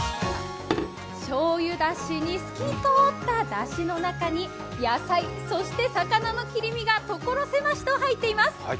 しょうゆだしに、透き通っただしの中に、野菜、そして魚の切り身が所狭しと入っています。